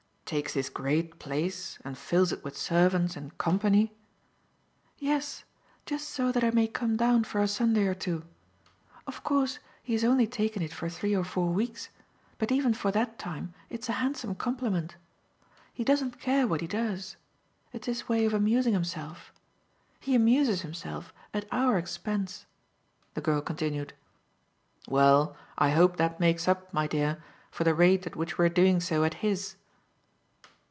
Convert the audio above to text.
"Takes this great place and fills it with servants and company ?" "Yes, just so that I may come down for a Sunday or two. Of course he has only taken it for three or four weeks, but even for that time it's a handsome compliment. He doesn't care what he does. It's his way of amusing himself. He amuses himself at our expense," the girl continued. "Well, I hope that makes up, my dear, for the rate at which we're doing so at his!"